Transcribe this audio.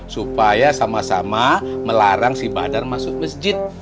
supaya sama sama melarang si badar masuk masjid